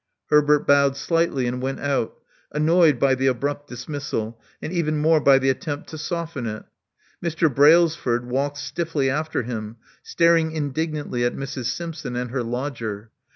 Herbert bowed slightly, and went out, annoyed by the abrupt dismissal, and even more by the attempt to soften it. Mr. Brailsford walked stiffly after him, staring indignantly at Mrs. Simpson and her lodger.